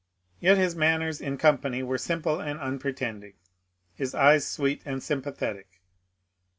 Yet his manners in company were simple and unpretending, his eyes sweet and sympathetic.